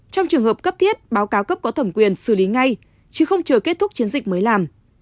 trong trường hợp cấp thiết báo cáo cấp có thẩm quyền xử lý ngay chứ không chờ kết thúc chiến dịch mới làm